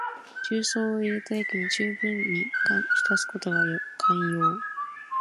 重曹を入れた液にじゅうぶんに浸すことが肝要。